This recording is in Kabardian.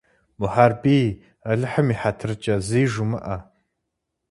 Мухьэрбий, Алыхьым и хьэтыркӀэ, зы жумыӀэ.